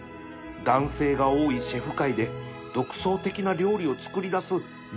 男性が多いシェフ界で独創的な料理を作り出すみもっと先生